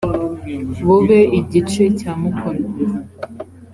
bube igice cya mukono